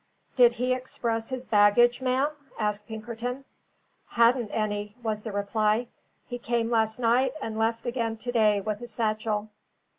"Did he express his baggage, ma'am?" asked Pinkerton. "Hadn't any," was the reply. "He came last night and left again to day with a satchel."